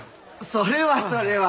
それはそれは。